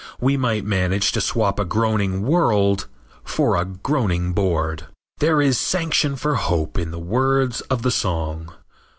We might manage to swap a groaning world for a groaning board. There is sanction for hope in the words of the song.